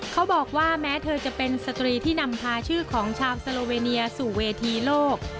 เขาบอกว่าแม้เธอจะเป็นสตรีที่นำพาชื่อของชาวสโลเวเนียสู่เวทีโลก